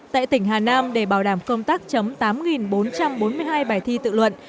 tại tỉnh hà nam để bảo đảm công tác chấm tám bốn trăm bốn mươi hai bài thi tự luận